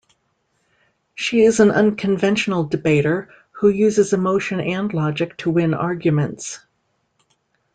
She is an unconventional debater who uses emotion and logic to win arguments.